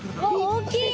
大きい。